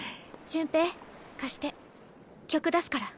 潤平貸して曲出すから。